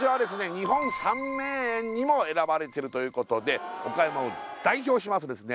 日本三名園にも選ばれてるということで岡山を代表しますですね